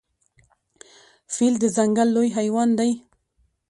فیل د ځنګل لوی حیوان دی.